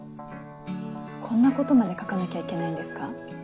こんなことまで書かなきゃいけないんですか？